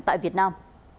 tại việt nam